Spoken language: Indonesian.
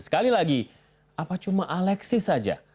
sekali lagi apa cuma alexis saja